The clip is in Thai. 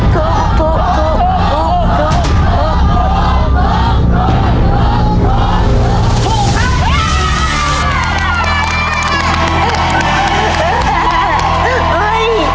ถูกถูกถูก